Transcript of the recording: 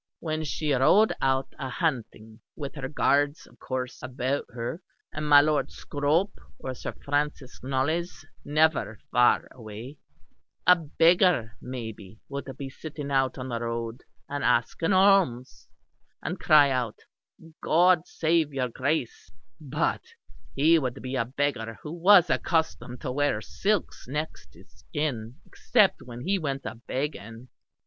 When she rode out a hunting, with her guards of course about her, and my Lord Scrope or Sir Francis Knollys never far away, a beggar maybe would be sitting out on the road and ask an alms; and cry out 'God save your Grace'; but he would be a beggar who was accustomed to wear silk next his skin except when he went a begging.